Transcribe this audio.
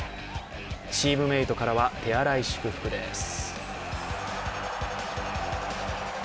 チームメイトからは手荒い祝福です。